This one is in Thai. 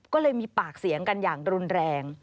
ก็เลยมีปากเสียงกันอย่างรุนแรง